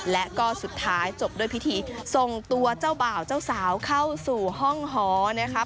และก็สุดท้ายจบด้วยพิธีส่งตัวเจ้าบ่าวเจ้าสาวเข้าสู่ห้องหอนะคะ